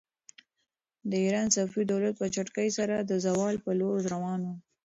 د ایران صفوي دولت په چټکۍ سره د زوال پر لور روان و.